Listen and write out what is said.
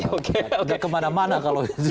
nggak kemana mana kalau disitu